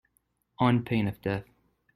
On pain of death.